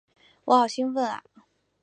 我好兴奋啊！